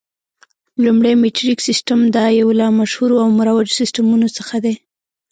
لومړی میټریک سیسټم، دا یو له مشهورو او مروجو سیسټمونو څخه دی.